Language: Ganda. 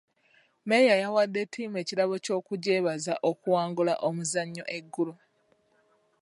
Mmeeya yawadde ttiimu ekirabo ky'obugyebaza okuwngula omuzannyo eggulo.